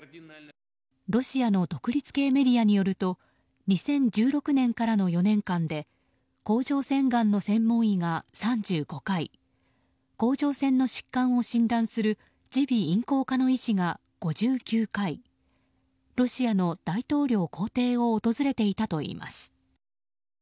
ロシアの独立系メディアによると２０１６年からの４年間で甲状腺がんの専門医が３５回甲状腺の疾患を診断する耳鼻咽喉科の医師が５９回ロシアの大統領公邸を訪れていたといいます。